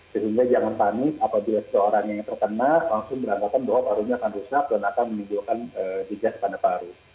sehingga jangan panik apabila seseorang yang terkena langsung beranggapan bahwa parunya akan rusak dan akan menimbulkan bijak pada paru